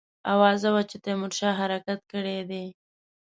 آوازه وه چې تیمورشاه حرکت کړی دی.